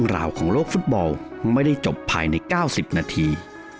มันไม่ได้จบภายใน๙๐นาที